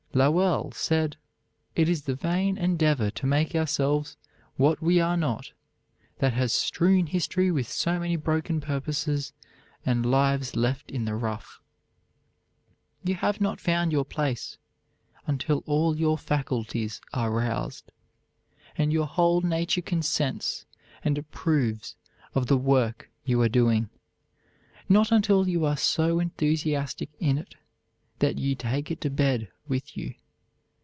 Lowell said: "It is the vain endeavor to make ourselves what we are not that has strewn history with so many broken purposes, and lives left in the rough." You have not found your place until all your faculties are roused, and your whole nature consents and approves of the work you are doing; not until you are so enthusiastic in it that you take it to bed with you.